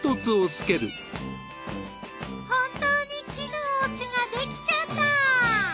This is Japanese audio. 本当に木のおうちができちゃった！